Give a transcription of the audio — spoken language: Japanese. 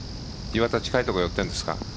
岩田近いところでやってるんですか？